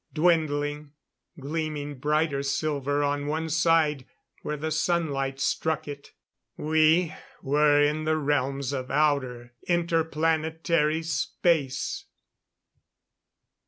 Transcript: Dwindling gleaming brighter silver on one side where the sunlight struck it. We were in the realms of outer, inter planetary space!